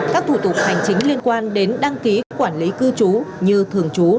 các thủ tục hành chính liên quan đến đăng ký quản lý cư trú